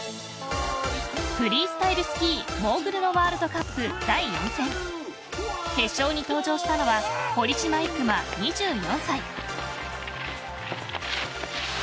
フリースタイルスキーモーグルのワールドカップ第４戦決勝に登場したのは堀島行真２４歳